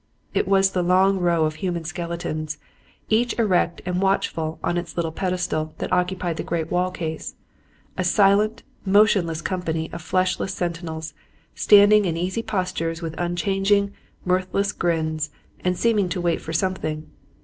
It was the long row of human skeletons, each erect and watchful on its little pedestal, that occupied the great wall case: a silent, motionless company of fleshless sentinels, standing in easy postures with unchanging, mirthless grins and seeming to wait for something.